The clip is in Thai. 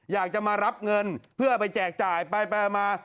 อยากจะมารับเงินเพื่อไปแจกจ่ายไปมา